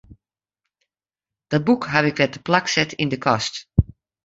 Dat boek haw ik wer teplak set yn 'e kast.